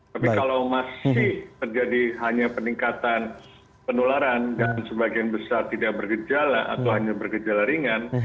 tapi kalau masih terjadi hanya peningkatan penularan dan sebagian besar tidak bergejala atau hanya bergejala ringan